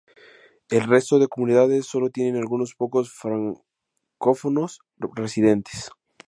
El resto de comunidades sólo tienen algunos pocos francófonos residentes.